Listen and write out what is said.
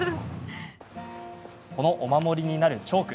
このお守りになるチョーク。